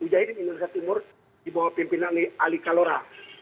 mujahidin indonesia timur dibawa pimpinan ali kalora